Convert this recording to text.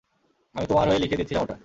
আমি তোমার হয়ে লিখে দিয়েছিলাম ওটা।